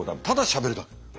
ただしゃべるだけ。